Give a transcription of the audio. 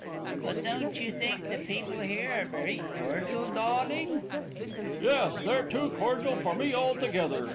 "But don't you think the people here are very cordial, dawling?" "Yes, they're too cordial for me altogether.